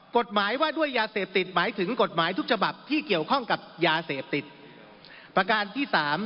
๒กฎหมายว่าด้วยยาเสพติดหมายถึงกฎหมายทุกจบับที่เกี่ยวข้องกับยาเสพติด